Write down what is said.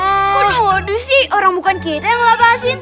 kok noduh sih orang bukan kita yang lepasin